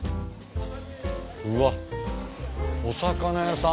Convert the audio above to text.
うわお魚屋さん。